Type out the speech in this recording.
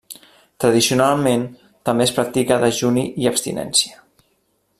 Tradicionalment també es practica dejuni i abstinència.